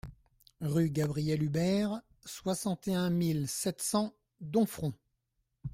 Rue Gabriel Hubert, soixante et un mille sept cents Domfront